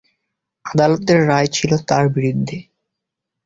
আদালতের রায় ছিল তার বিরুদ্ধে।